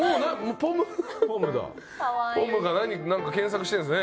ポムが何か検索してるんですね。